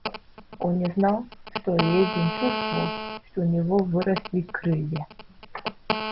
Он не знал, что Левин чувствовал, что у него выросли крылья.